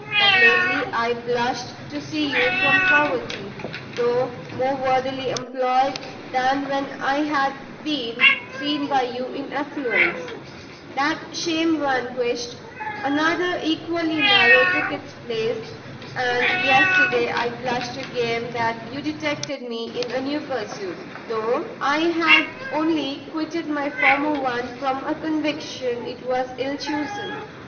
But lately I blushed to see you from poverty, though more worthily employed than when I had been seen by you in affluence; that shame vanquished, another equally narrow took its place, and yesterday I blushed again that you detected me in a new pursuit, though I had only quitted my former one from a conviction it was ill chosen.